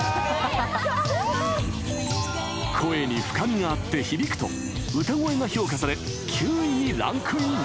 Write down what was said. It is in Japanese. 声に深みがあって響くと歌声が評価され９位にランクイン